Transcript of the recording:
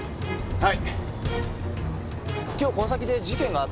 はい。